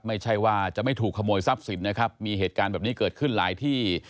ไม่ใช่ว่าจะไม่ถูกขโมยทรัพย์สินนะครับมีเหตุการณ์แบบนี้เกิดขึ้นหลายที่